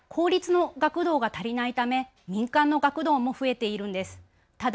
今、都市部では公立の学童が足りないため民間の学童も増えているんです。